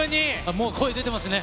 もう声出てますね。